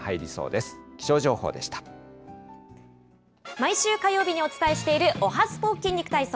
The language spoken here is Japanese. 毎週火曜日にお伝えしている、おはＳＰＯ筋肉体操。